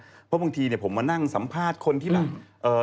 เพราะบางทีผมมานั่งสัมภาษณ์คนที่แบบ